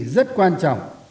rất quan trọng